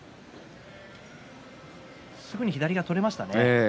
すぐに左が取れましたね。